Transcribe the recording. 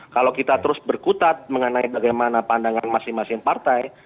kalau kita terus berkutat mengenai bagaimana pandangan masing masing partai